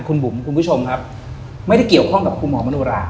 คุณบุ๋มคุณผู้ชมครับไม่ได้เกี่ยวข้องกับคุณหมอมโนรา